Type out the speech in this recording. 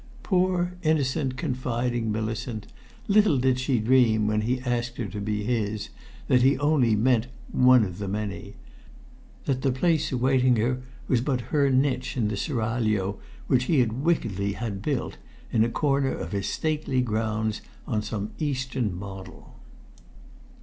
Poor, innocent, confiding Millicent; little did she dream, when he asked her to be his, that he only meant 'one of the many'; that the place awaiting her was but her niche in the seraglio which he had wickedly had built, in a corner of his stately grounds, on some Eastern model."